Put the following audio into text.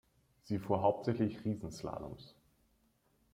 Sie fuhr hauptsächlich Riesenslaloms.